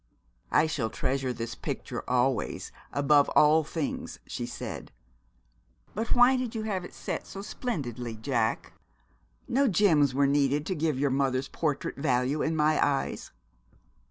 'I shall treasure this picture always, above all things,' she said: but 'why did you have it set so splendidly, Jack? No gems were needed to give your mother's portrait value in my eyes.'